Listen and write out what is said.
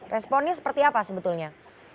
responnya seperti apa sebetulnya